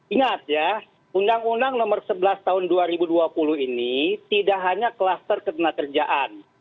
ingat ya undang undang nomor sebelas tahun dua ribu dua puluh ini tidak hanya kluster ketenaga kerjaan